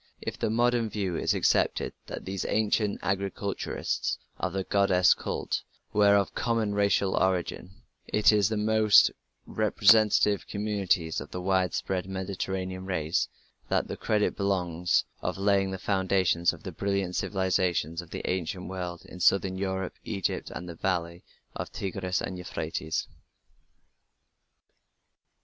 If the modern view is accepted that these ancient agriculturists of the goddess cult were of common racial origin, it is to the most representative communities of the widespread Mediterranean race that the credit belongs of laying the foundations of the brilliant civilizations of the ancient world in southern Europe, and Egypt, and the valley of the Tigris and Euphrates.